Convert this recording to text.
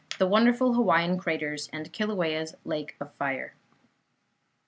The Wonderful Hawaiian Craters and Kilauea's Lake of Fire.